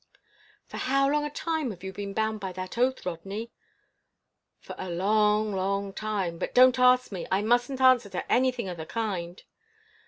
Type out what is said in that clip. "For how long a time have you been bound by that oath, Rodney?" "For a long, long time. But don't ask me. I mustn't answer to anything of the kind."